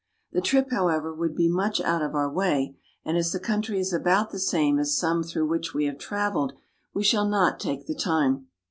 The trip, however, would be much out of our way, and as the country is about the same as some through which we have traveled we shall not take the time.